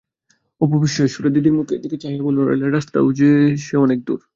অপু বিস্ময়ের সুরে দিদির মুখের দিকে চাহিয়া বলিল, রেলের রাস্তা-সে যে অনেক দূর!